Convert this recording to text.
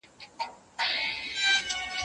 او په خپل قسمت راضي اوسئ.